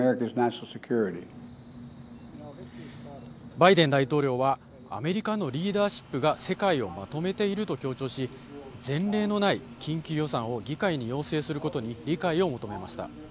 バイデン大統領はアメリカのリーダーシップが世界をまとめていると強調し、前例のない緊急予算を議会に要請することに理解を求めました。